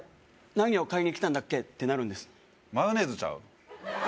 何を買いに来たんだっけ？ってなるんですマヨネーズちゃう？